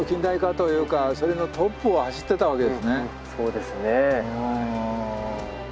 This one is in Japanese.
そうですね。